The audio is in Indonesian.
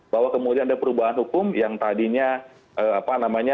bahwa kemudian ada perubahan hukum yang tadinya apa namanya